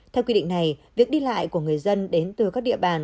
theo quy định này việc đi lại của người dân đến từ các địa bàn